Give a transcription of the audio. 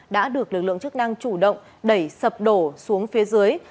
đã được lực lượng chức năng chủ động đẩy sập đổ xuống phía dưới